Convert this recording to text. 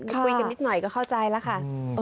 คุยกันนิดหน่อยก็เข้าใจแล้วค่ะ